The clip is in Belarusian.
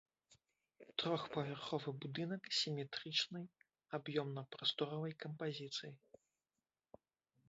Трохпавярховы будынак сіметрычнай аб'ёмна-прасторавай кампазіцыі.